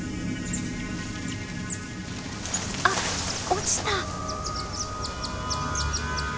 あっ落ちた。